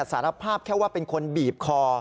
สารภาพแค่ว่าเป็นคนบีบคอ